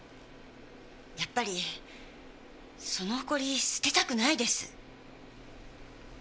やっぱりその誇り捨てたくないです。